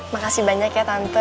makasih banyak ya tante